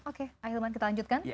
oke akhirnya kita lanjutkan